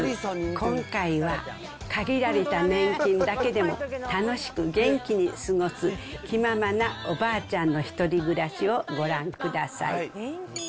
今回は、限られた年金だけでも楽しく元気に過ごす、気ままなおばあちゃんのひとり暮らしをご覧ください。